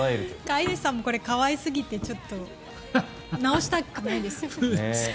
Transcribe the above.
飼い主さんもこれ、可愛すぎてちょっと直したくないですよね。